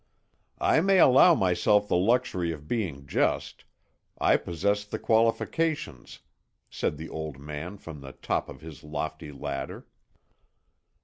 "I may allow myself the luxury of being just, I possess the qualifications," said the old man from the top of his lofty ladder.